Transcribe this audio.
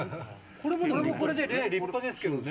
これはこれで立派ですけどね。